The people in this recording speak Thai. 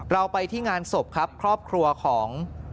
เราไปที่งานศพครับครอบครัวของ